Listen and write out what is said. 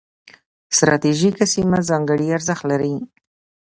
ستراتیژیکه سیمه ځانګړي ارزښت لري.